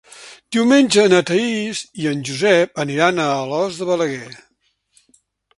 Diumenge na Thaís i en Josep aniran a Alòs de Balaguer.